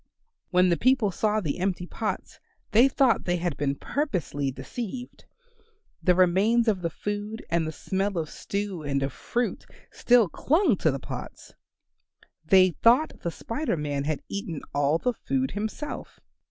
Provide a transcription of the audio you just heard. When the people saw the empty pots they thought they had been purposely deceived. The remains of the food and the smell of stew and of fruit still clung to the pots. They thought the Spider Man had eaten all the food himself.